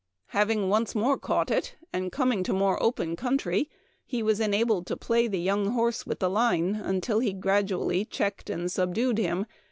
Having once more caught it. and coming to a more open country, he was enabled to play the young horse with the line until he gradually checked and subdued him.